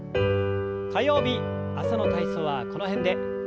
火曜日朝の体操はこの辺で。